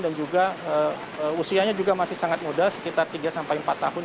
dan juga usianya juga masih sangat muda sekitar tiga sampai empat tahun